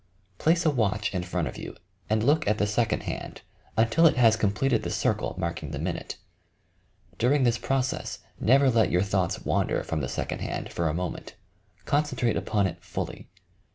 Place a watch in front of you, and look at the second hand until it has completed the circle marking the minute. During this process never let your thoughts wander from the second hand for a moment. Concen trate upon it fully.